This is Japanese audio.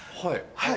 はい。